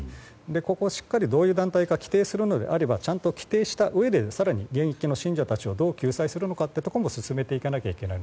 ここをしっかりどういう団体か規定するならちゃんと規定したうえで更に現役の信者たちをどう救済するのか進めていかないといけない。